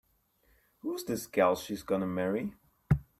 Who's this gal she's gonna marry?